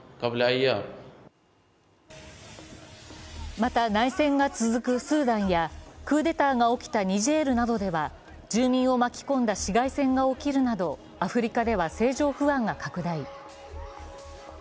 また、内戦が続くスーダンやクーデターが起きたニジェールなどでは住民を巻き込んだ市街戦が起きるなどアフリカでは政情不安が拡大。